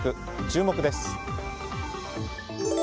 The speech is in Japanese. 注目です。